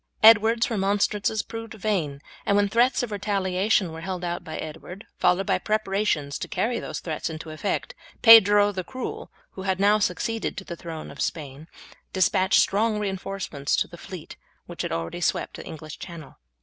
Edward's remonstrances proved vain, and when threats of retaliation were held out by Edward, followed by preparations to carry those threats into effect, Pedro the Cruel, who had now succeeded to the throne of Spain, despatched strong reinforcements to the fleet which had already swept the English Channel.